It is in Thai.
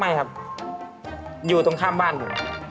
ไม่ครับอยู่ตรงข้ามบ้านอยู่